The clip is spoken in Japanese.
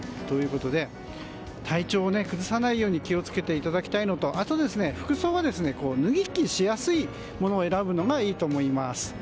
ということで体調を崩さないように気を付けていただきたいのとあと、服装は脱ぎ着しやすいものを選ぶのがいいと思います。